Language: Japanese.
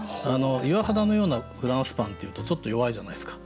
「岩肌のようなフランスパン」って言うとちょっと弱いじゃないですか。